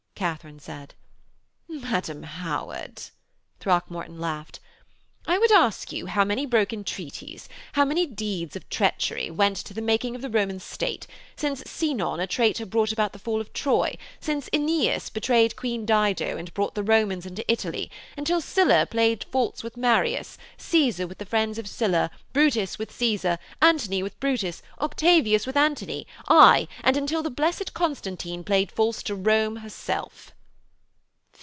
Katharine said. 'Madam Howard,' Throckmorton laughed, 'I would ask you how many broken treaties, how many deeds of treachery, went to the making of the Roman state, since Sinon a traitor brought about the fall of Troy, since Aeneas betrayed Queen Dido and brought the Romans into Italy, until Sylla played false with Marius, Cæsar with the friends of Sylla, Brutus with Cæsar, Antony with Brutus, Octavius with Antony aye, and until the Blessed Constantine played false to Rome herself.'